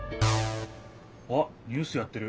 あっニュースやってる。